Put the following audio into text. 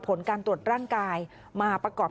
ผลการตรวจร่างกายมาประกอบ